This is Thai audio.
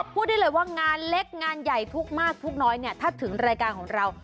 พูดได้เลยว่างานเล็กงานใหญ่ทุกข์มากทุกข์น้อยเนี่ยถ้าถึงรายการของเรา